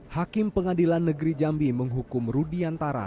hakim pengadilan negeri jambi menghukum rudi antara